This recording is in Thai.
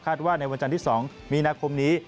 ว่าในวันจันทร์ที่๒มีนาคมนี้